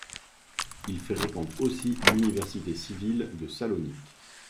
Il fréquente aussi l'université civile de Salonique.